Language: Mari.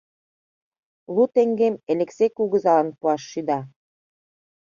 Лу теҥгем Элексей кугызалан пуаш шӱда.